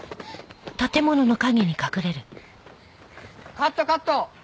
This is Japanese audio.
カットカット！